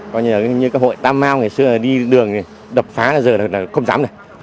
coi như các hội tam mau ngày xưa đi đường đập phá giờ là không dám nữa